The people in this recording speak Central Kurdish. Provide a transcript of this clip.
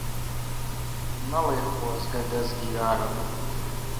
مەڵێ خۆزگە دەزگیرانم